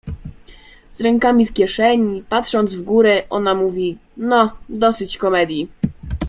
Z rękami w kieszeni, patrząc w górę, ona mówi: — No, dosyć komedii.